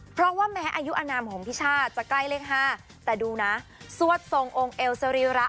เพราะว่าแม้อายุอนามของพี่ช่าจะใกล้เลข๕แต่ดูนะสวดทรงองค์เอวสรีระ